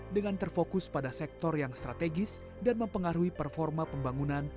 dengan terfokus pada sektor yang strategis dan mempengaruhi performa pembangunan